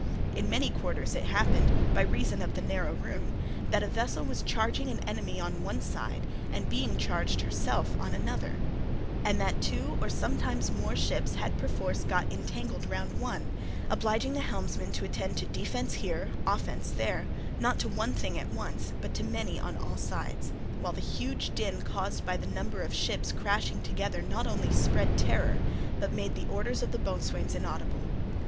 In many quarters it happened, by reason of the narrow room, that a vessel was charging an enemy on one side and being charged herself on another, and that two or sometimes more ships had perforce got entangled round one, obliging the helmsmen to attend to defence here, offence there, not to one thing at once, but to many on all sides; while the huge din caused by the number of ships crashing together not only spread terror, but made the orders of the boatswains inaudible.